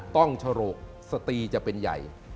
ต้องชโหลกสตีจะเป็นใหญ่